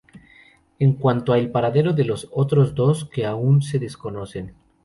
En cuanto a el paradero de los otros dos, que aún se desconocen.